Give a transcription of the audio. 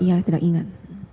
ya tidak ingat